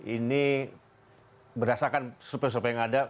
ini berdasarkan supaya supaya yang ada